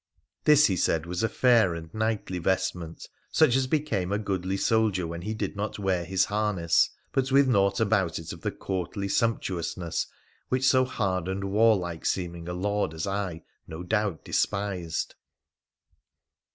This, he said, was a fair and knightly vestment such as became a goodly soldier when he did not wear hii harness, but with naught about it of the courtly sumptuous ness which so hard and warlike seeming a lord as I no doub despised.